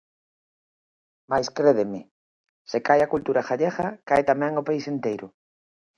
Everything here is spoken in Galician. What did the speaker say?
Mais crédeme, se cae a cultura galega cae tamén o país enteiro.